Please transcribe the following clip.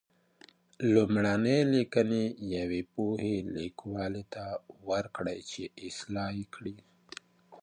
لومړني لیکنې یوې پوهې لیکوال ته ورکړئ چې اصلاح یې کړي.